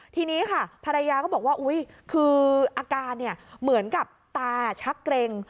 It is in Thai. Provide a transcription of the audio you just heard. ทีนี้ค่ะภรรยาก็บอกว่าอุ๊ยคืออาการเหมือนกับตาชักเกร็ง